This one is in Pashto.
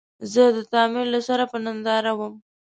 زه د تعمير له سره په ننداره ووم.